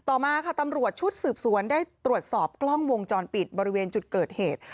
ต่อมาค่ะตำรวจชุดสืบสวนได้ตรวจสอบกล้องวงจรปิดบริเวณจุดเกิดเหตุ